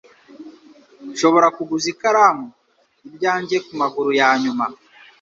Nshobora kuguza ikaramu? Ibyanjye kumaguru yanyuma.